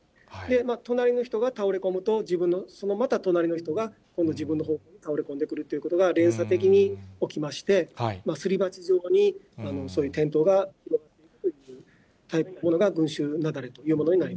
隣の人が倒れ込むと、自分のそのまた隣の人が今度、自分の方向に倒れ込んでくるということが連鎖的に起きまして、すり鉢状にそういう転倒が起きるということが群衆雪崩というもの